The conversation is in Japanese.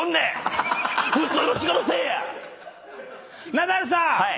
ナダルさん！